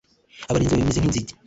Abarinzi bawe bameze nk’inzige